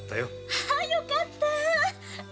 あぁよかった。